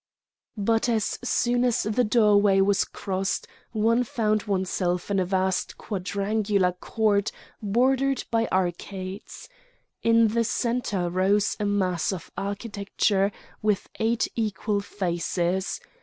But as soon as the doorway was crossed one found oneself in a vast quadrangular court bordered by arcades. In the centre rose a mass of architecture with eight equal faces.